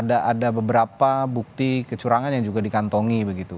ada beberapa bukti kecurangan yang juga dikantongi begitu